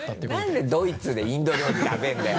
何でドイツでインド料理食べるんだよ。